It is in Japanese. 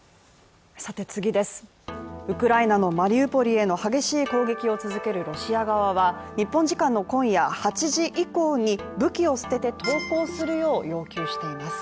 ウクライナのマリウポリへの激しい攻撃を続けるロシア側は日本時間の今夜８時以降に武器を捨てて投降するよう要求しています。